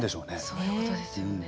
そういうことですよね。